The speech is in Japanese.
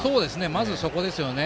まず、そこですよね。